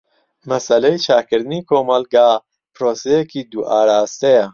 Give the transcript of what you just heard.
مەسەلەی چاکردنی کۆمەلگا پرۆسەیەکی دوو ئاراستەیە.